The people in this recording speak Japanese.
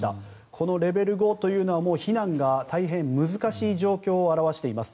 このレベル５というのは避難が大変難しい状況を表しています。